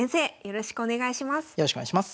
よろしくお願いします。